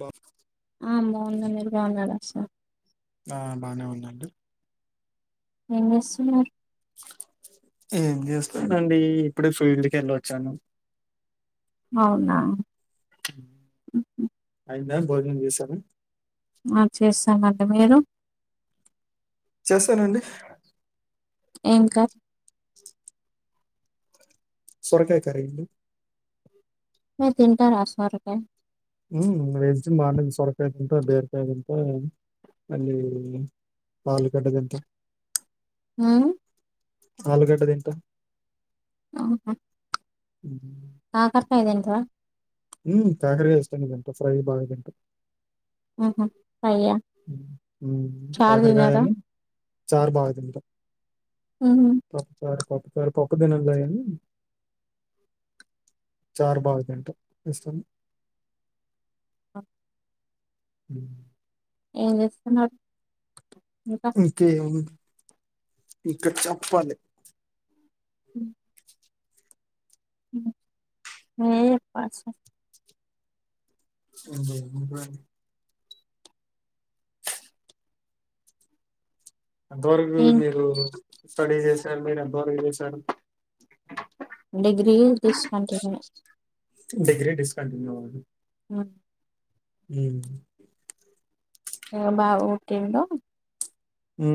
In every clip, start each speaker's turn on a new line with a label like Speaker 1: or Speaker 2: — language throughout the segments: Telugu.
Speaker 1: బాక్స్
Speaker 2: ఆ బాగుందండి మీరు బాగున్నారా సార్
Speaker 1: ఆ బానే ఉన్నండీ
Speaker 2: ఎందచేస్తున్నరు
Speaker 1: ఏం చేస్తానండి ఇప్పుడే ఫీల్డ్ కెల్లోచ్చాను
Speaker 2: అవునా
Speaker 1: అయిందా భోజనం చేసార
Speaker 2: ఆ చేసామండి మీరు
Speaker 1: చేసానండి
Speaker 2: ఇంకా
Speaker 1: సొరకాయ కర్రీ
Speaker 2: మీరు తింటారా సొరకాయి
Speaker 1: ఉ వెడ్నెస్డే మార్నింగ్ సొరకాయ తింటా బీరకాయ తింటా ఆలుగడ్డ తింటా
Speaker 2: హు
Speaker 1: ఆలుగడ్డ తింటా
Speaker 2: అవునా
Speaker 1: ఉ [unintelligible]
Speaker 2: కాకరకాయీ తినరా
Speaker 1: హు కాకరకాయీ ఇష్టంగా తింటా ఫ్రై బాగా తింటా
Speaker 2: ఉహూ
Speaker 1: హు
Speaker 2: తినరా
Speaker 1: కాకరకాయని చార్ బాగా తింటా
Speaker 2: ఉహు
Speaker 1: పప్పు చారు పప్పు పప్పు తినను లే గాని చార్ బాగా తింట ఇష్టం
Speaker 2: ఏం చేస్తున్నారు ఇంకా
Speaker 1: ఇంకేముంది ఇంక చెప్పాలి
Speaker 2: ఉ
Speaker 1: [unintelligible]
Speaker 2: మీరే చెప్పాలి సార్
Speaker 1: [unintelligible] అంతవరకు
Speaker 2: ఏం
Speaker 1: మీరు స్టడీ చేసారు మీరు ఎంత వరకు చేశారు
Speaker 2: డిగ్రీ తీసుకుంటుము
Speaker 1: డిగ్రీ డిస్కంటిన్యూ ఆ
Speaker 2: అ
Speaker 1: అ
Speaker 2: బా ఓకేంటో
Speaker 1: హ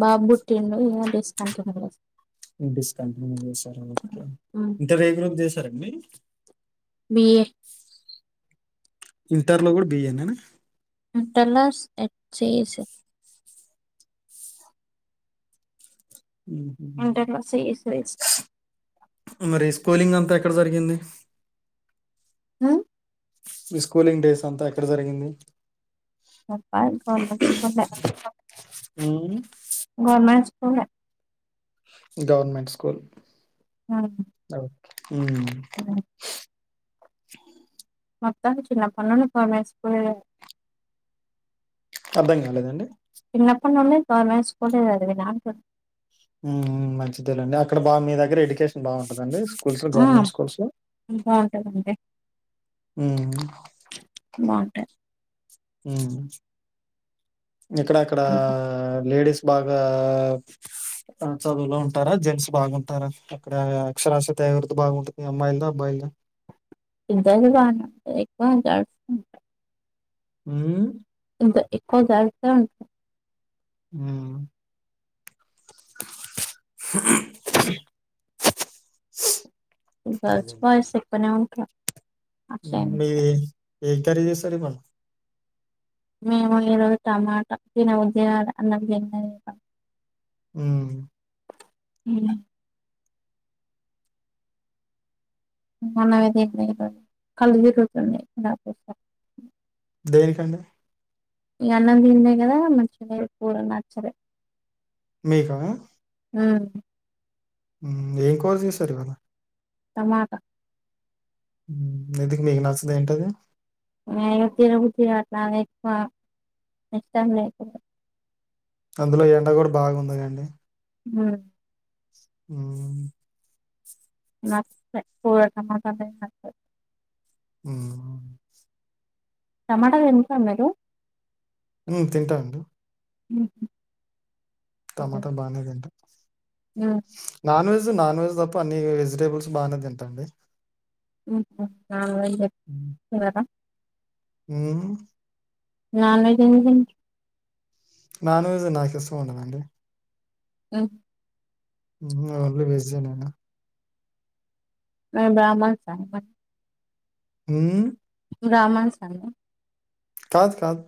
Speaker 2: బాబు బుట్టిండు ఇ డిస్కాంటిన్యు
Speaker 1: డిస్కంటిన్యూ సరండి
Speaker 2: బిఏ
Speaker 1: ఇంటర్ లో కూడా బి ఎ ఎన
Speaker 2: ఇంటర్ లో సి స్ ఇ ఇంటర్లో సిఎస్
Speaker 1: మరి స్కూలింగ్ అంతా ఎక్కడ జరిగింది
Speaker 2: హ
Speaker 1: మీ స్కూలింగ్ డేస్ అంతా ఎక్కడ జరిగింది
Speaker 2: [inaudible]
Speaker 1: అ
Speaker 2: ఆహ
Speaker 1: గవర్నమెంట్ స్కూల్
Speaker 2: ఆ
Speaker 1: హ అ
Speaker 2: మొత్తం చిన్నపుడు నుంచి గవర్నమెంట్ స్కూల్
Speaker 1: అర్ధం కాలేదండి
Speaker 2: చిన్నప్పటి నుండి గవర్నమెంట్ స్కూల్
Speaker 1: మంచిదేలండి అక్కడ బా మీ దగ్గర ఎడ్యుకేషన్ బాగుంటుదా అండి
Speaker 2: ఆ బాగుంటందండి
Speaker 1: హ
Speaker 2: బాగుంటది
Speaker 1: ఆ ఇక్కడ అక్కడ లేడీస్ బాగా చదువులో ఉంటారా జెంట్స్ బాగుంటారా అక్కడ అక్షరాస్యత ఎవరిది బాగుంటుంది అమ్మాయిల అబ్బాయిలు
Speaker 2: ఇద్దరిది బాగుంట
Speaker 1: అ
Speaker 2: ఎంత ఎక్కువ దా ఉంట
Speaker 1: ఆ
Speaker 2: బస్ పాస్ సప్పనే
Speaker 1: మీ ఏ కర్రీ చేస్తారు ఈ వాళ్ళ
Speaker 2: మేము ఈరోజు టమాటా తినే [unintelligible] అన్నంన్నం
Speaker 1: మ్మ్
Speaker 2: మ్మ్ [unintelligible] కళ్ళు తిరుగుతున్నాయి
Speaker 1: దేనికండి
Speaker 2: ఇక అన్నం తిందే కదా మంచిగా నీరు పూ నచ్చలే
Speaker 1: మీకా
Speaker 2: ఆ
Speaker 1: ఏం కుర చేసారు ఇవాళ
Speaker 2: టమాట
Speaker 1: ఇందుకు మీకు నచ్చందు ఏంటది
Speaker 2: [unintelligible]
Speaker 1: అందులో ఎండ కూడా బాగాందిగాండి
Speaker 2: మ్మ్
Speaker 1: మ్మ్
Speaker 2: పోత మా
Speaker 1: మ్మ్
Speaker 2: టమాటో తింటారా మీరు
Speaker 1: ఉ తింటా అండి
Speaker 2: ఉహు
Speaker 1: టమాటా బానే తినటం
Speaker 2: మ్మ్
Speaker 1: నాన్ వెజ్ తప్ప అన్ని వెజిటేబుల్స్ బాగానే తింటాండి
Speaker 2: [unintelligible]
Speaker 1: మ్మ్
Speaker 2: నన్ వెజ్ అ
Speaker 1: నాన్ వెజ్ నాకు ఇష్టం ఉండదండి
Speaker 2: [unintelligible]
Speaker 1: మీ ఇంట్లో అందరు వెజిటేరియన్ ఆ
Speaker 2: అ బ్రాహ్మణ [unintelligible]
Speaker 1: మీరు
Speaker 2: బ్రాహమణస్ను
Speaker 1: కాదు కాదు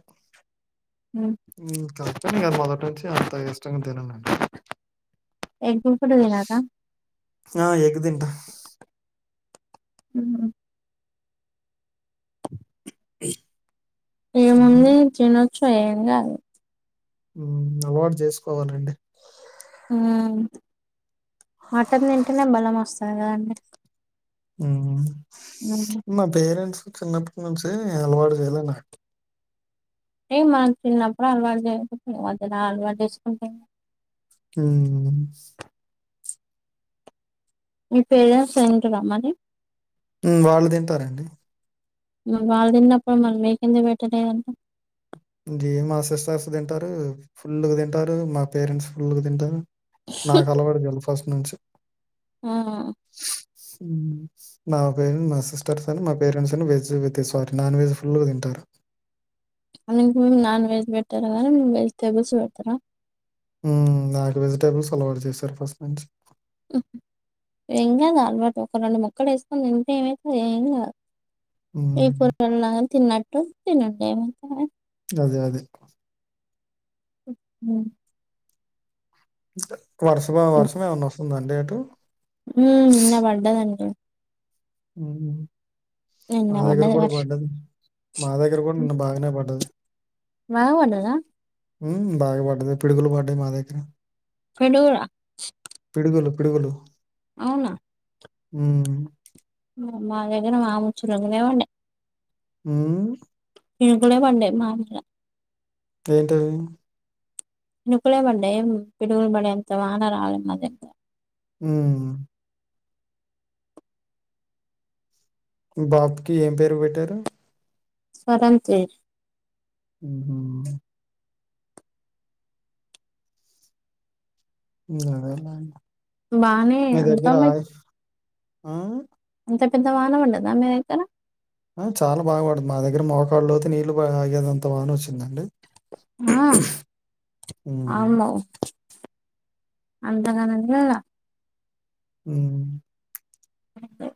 Speaker 2: ఉమ్
Speaker 1: ఇంకా అది మొదటంచి అంత ఇష్టంగా తినను
Speaker 2: [unintelligible]
Speaker 1: ఆ ఎగ్ తింట
Speaker 2: హుమ్
Speaker 1: అ [inaudible] మ్మ్
Speaker 2: ఏముంది [unintelligible] కాదు
Speaker 1: ఉమ్ అలవాటు చేసుకోవాలండి
Speaker 2: ఊమ్ మటన్ తింటేనే బలం వస్ రాద అండి.
Speaker 1: హు మా పేరెంట్స్ చిన్నప్పునుంచే అలవాటు చేయల నాకు
Speaker 2: ఏ మన్ చిన్నప్పుడు అలవాటు చేయపోతే, అది నా అలవాటు చేసుకుంటే
Speaker 1: హు
Speaker 2: మీ పేరెంట్స్ ఏంటి రమ్మని
Speaker 1: ఉ వాళ్ళుదింతారండీ.
Speaker 2: ఇంగ వాళ్ళ్ తిన్నప్పుడు మళ్ళీ మీకెందు పెట్టలేదంట
Speaker 1: జే మా సిస్సర్స్ తింటారు, ఫుల్ గా తింటారు, మా పేరెంట్స్ ఫుల్గా తింటారు. నాకు అలవాటు జెల ఫస్ట్ నుంచి
Speaker 2: ఆ
Speaker 1: నా పేరు నా సిస్టర్స్ అని మా పేరెంట్స్ అని veg with sorry non veg ఫుల్లుగ తింటారు.
Speaker 2: అల్లింకి మేం నాన్ వెజ్ పెట్టరు కానీ, వెజిటేబల్స్ పెడ్తరా.
Speaker 1: ఉ నాకు వెజిటేబుల్స్ అలవాటు చేశారు, ఫస్ట్ నుంచి
Speaker 2: ఏం కాదు అలవాటు ఒక రెండు ముక్కలు ఏసుక్కొని తింటే ఏమైతది, ఏం కాదు
Speaker 1: హ్మ్.
Speaker 2: ఇప్పురు నా తిన్న టు తినట్టు [unintelligible]
Speaker 1: అదే అదే
Speaker 2: హు
Speaker 1: ఇంక వర్సమా వర్షమేమన్నా వస్సుందన్ డేటు
Speaker 2: ఉ నిన్న పడ్డదంతె
Speaker 1: ఉ
Speaker 2: నిన్న
Speaker 1: మా దగ్గర కూడా
Speaker 2: వర్షం
Speaker 1: పడ్డది, మా దగ్గర కూడా నిన్న బాగానే పడ్డది.
Speaker 2: బా బడ్డద
Speaker 1: ఉ బాగా పడ్డది పిడుగులు పడ్డాయ్ మా దగ్గర
Speaker 2: కడూరా
Speaker 1: పిడుగులు, పిడుగులు
Speaker 2: అవునా
Speaker 1: హు
Speaker 2: మా దగ్గర మాముల్ చురకలే బడ్డయ్.
Speaker 1: ఊ
Speaker 2: పిరుగులె బడ్డయ్ మా [unintelligible]
Speaker 1: ఏంటవి
Speaker 2: ఇనుకులే పడ్డయ్, ఏం పిడుగులుబడేంత వాన రాళె మా దగ్గర
Speaker 1: ఊ బాబుకి ఏం పేరు పెట్టారు.
Speaker 2: స్వతంతిర్
Speaker 1: ఉహు ఇంగా [unintelligible]
Speaker 2: బానే అంత మ
Speaker 1: ఆ
Speaker 2: ఎంత పెద్ద వానా ఉంటంద మీే ఎక్కనా
Speaker 1: ఆ చాలా బాగు పడదు మా దగ్గర మోకాళ్ళుతే నీళ్ళలు ఆగేదంత బాగానే వచ్చిందండి
Speaker 2: ఆ
Speaker 1: హ్మ్.
Speaker 2: అమ్మో అంతగానండిళ
Speaker 1: ఊమ్
Speaker 2: అఓక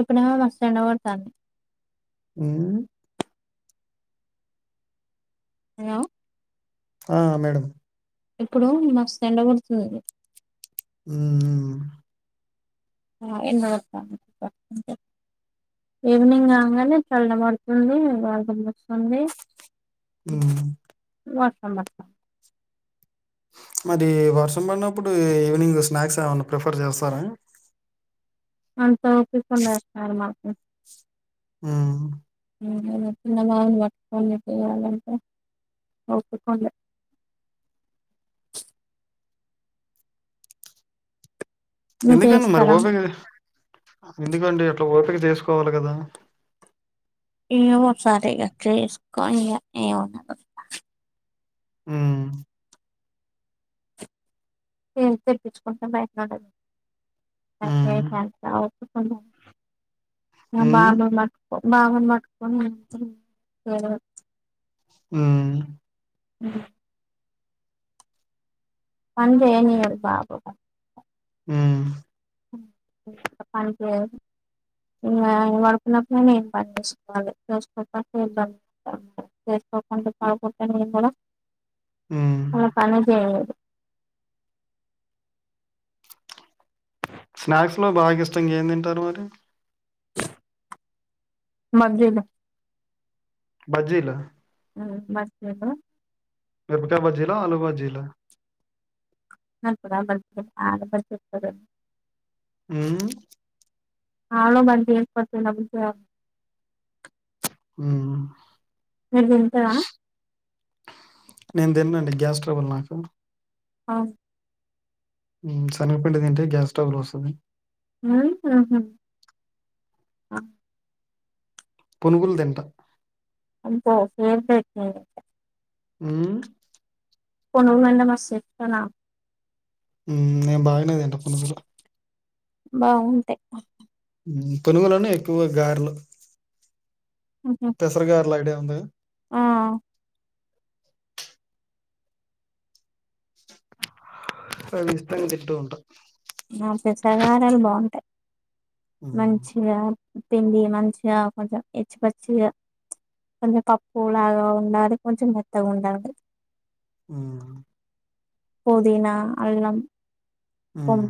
Speaker 2: ఇప్పుడేమో మస్త్ ఎండ బడతాన్ని
Speaker 1: ఉమ్
Speaker 2: హలో
Speaker 1: ఆ మేడం
Speaker 2: ఇప్పుడు మస్తు ఎండబడుతుంది
Speaker 1: ఆ
Speaker 2: ఎండ బడుతుంది ఈవినింగ్ కాగానే చల్ల పడుతుంది వర్షం వస్తుంది
Speaker 1: ఊమ్
Speaker 2: నమస్త
Speaker 1: మరి వర్షం పడినప్పుడు ఈవినింగ్ స్నాక్స్ ఏమైనా ప్రిఫర్ చేస్తారా
Speaker 2: అ ఓపిక ఉండాలి స
Speaker 1: ఆ
Speaker 2: చిన్న బాబుని పట్టుకోనిడి చేయాలంటే ఒప్పుకోండి మీరు
Speaker 1: ఎందుకండి మరి
Speaker 2: చేస్తారా
Speaker 1: ఓపే క ఎందుకండి అట్లా ఓప ఇక్కకి తీసుకోవాలి కదా
Speaker 2: ఏమో సారి ఇక చేసుకని ఏమన్నారు
Speaker 1: ఆ
Speaker 2: ఏం తెప్పించుకుంటాం బయట ఉండదు
Speaker 1: హ్మ్.
Speaker 2: మా
Speaker 1: హ్మ్.
Speaker 2: బాబ మా బాగు పట్టుక
Speaker 1: ఆవు
Speaker 2: అ అందేని బాబాబ
Speaker 1: ఆ
Speaker 2: పని చేయదు ఇ పడుకున్నప్పుడుై ఏం పని చేసుకోవాలి చేసుకోకపో చేసుకోకుడా పడుకుంటే నేను కూడా
Speaker 1: హ్మ్.
Speaker 2: అ పని చేలేదు
Speaker 1: స్నాక్స్ లో బాగా ఇష్టం ఏం తింటారు మరి
Speaker 2: మలో
Speaker 1: బజ్జీలా
Speaker 2: మస్కు
Speaker 1: అర్పతబాద్ జిలా ఆలాబాద్ జిల్లా
Speaker 2: నకు
Speaker 1: అ
Speaker 2: అవును [inaudible] బరిసుపోతు
Speaker 1: ఉమ్
Speaker 2: మీది ఎంత
Speaker 1: నేను తిననండి గ్యాస్ ట్రబుల్ నాకు
Speaker 2: ఆ
Speaker 1: శనగపిండి తింటే గ్యాస్ గ్యాస్ట్రబులొస్తాది
Speaker 2: ఉమ్ ఆహ ఆ
Speaker 1: పొనుగులు దింట
Speaker 2: అబ్బ ఫీర పెట్టు
Speaker 1: ఉమ్
Speaker 2: పనరు మండ నొస్తయ్ అనా
Speaker 1: ఉమ్ మేం బాయ తింటం పునుగులు
Speaker 2: బాగుంటాయ్
Speaker 1: కొనుగలునే ఎక్కువ గార్లు పేసర్ గారలైడియా ఉంద
Speaker 2: ఆ
Speaker 1: అవి ఇష్టంగా తింటూ ఉంట
Speaker 2: నా పెసరగారేలు బాంటాయి
Speaker 1: హ్మ్.
Speaker 2: మంచిగా పిండి మంచిగా కొంచెం ఎచ్చిపచ్చిగా కొంచెం పప్పు లాగా ఉండాలి కొంచెం మెత్తగుండాలి
Speaker 1: హ్మ్.
Speaker 2: పొదీనా అల్లం
Speaker 1: ఉమ్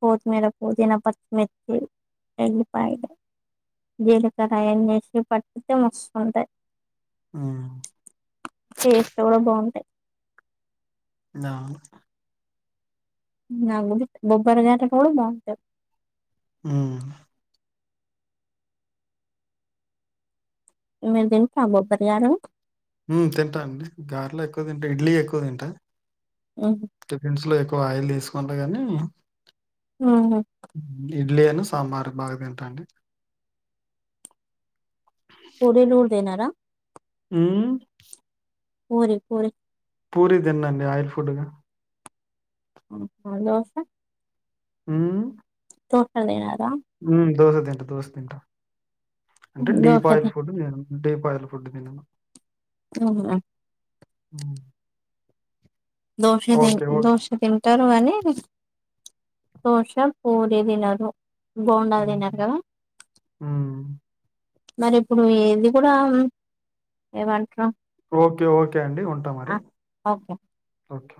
Speaker 2: కోతిమీర పుదీన పచ్చిమిర్చి వెల్లిపాయ జీలకర్ర అయన్నేసి పట్టితే మస్తుంటాయి
Speaker 1: హ్మ్.
Speaker 2: టేస్ట్ కూడా బాగుంటాయ్
Speaker 1: నా
Speaker 2: నాగు బొబ్బర గార్లు కూడ బాగుంటయ్
Speaker 1: ఉమ్
Speaker 2: మీర్ తింటర బొబ్బర్ గారెలు
Speaker 1: ఉమ్ తింటా అండి గార్లే ఎక్కువ తింటా ఇడ్లీ ఎక్కువ తింటా టిఫిన్స్ లో ఎక్కు ఆయిల్ తీసుకుంట గాని
Speaker 2: అ
Speaker 1: ఇడ్లీ అను సాంబార్ బాగా తింటా అండి
Speaker 2: పూరీలు కూడ తినరా
Speaker 1: ఉమ్
Speaker 2: పోరి పోరి
Speaker 1: పూరి తిన్నండి ఆయిల్ ఫుడ్ గా
Speaker 2: అ దోస
Speaker 1: ఉం
Speaker 2: తుక్కం వేయరా
Speaker 1: ఉ దోస తింటా దోస తింట అంటే
Speaker 2: దోశ
Speaker 1: డీప్ ఆయిల్ ఫుడ్ నేను డీప్ ఆయిల్ ఫుడ్ తినను
Speaker 2: ఓహో
Speaker 1: అ
Speaker 2: దోస ద దోస తింటా టారు కని దోష పూరి తినరు బోండాల్ తినరు
Speaker 1: హ్మ్.
Speaker 2: కదా
Speaker 1: హ్మ్.
Speaker 2: మరి ఇప్పుడు ఏది కూడా ఏమంటారు
Speaker 1: ఓకే ఓకే అండి ఉంటా మరి ఓకే